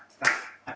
はい。